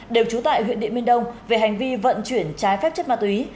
đều chú tại huyện điện biên đông về hành vi vận chuyển trái phép chất ma túy